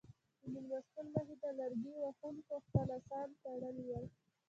د مېلمستون مخې ته لرګي وهونکو خپل اسان تړلي ول.